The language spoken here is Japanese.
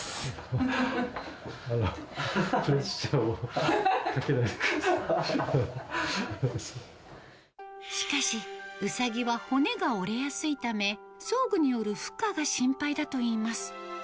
プレッシャーをかけないでくしかし、ウサギは骨が折れやすいため、装具による負荷が心配だといいます。